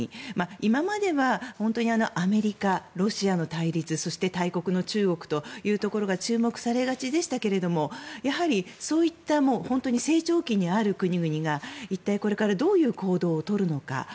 今まではアメリカ、ロシアの対立そして大国の中国というところが注目されがちでしたけれどもそういった成長期にある国々が一体これからどういう行動を取るのか。